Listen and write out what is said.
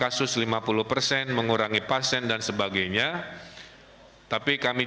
kemudian mencari penyelesaian